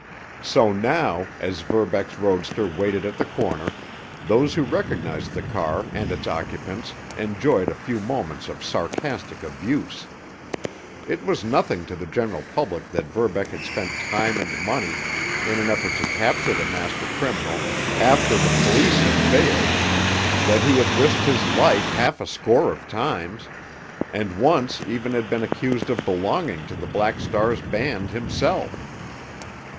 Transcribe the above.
So now, as Verbeck's roadster waited at the corner, those who recognized the car and its occupants enjoyed a few moments of sarcastic abuse. It was nothing to the general public that Verbeck had spent time and money in an effort to capture the master criminal after the police had failed, that he had risked his life half a score of times, and once even had been accused of belonging to the Black Star's band himself.